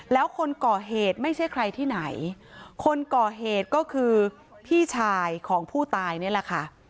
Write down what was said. แล้วคนก่อเหตุไม่ใช่ใครที่ไหนคนก่อเหตุก็คือพี่ชายของผู้ตายนี่แหละค่ะ